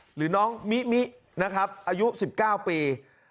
หรือน้องมิมินะครับอายุ๑๙ปี